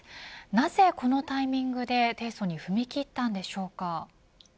なぜこのタイミングで提訴に踏み切ったんでしょうか。